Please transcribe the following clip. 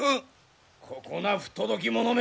ここな不届き者めが！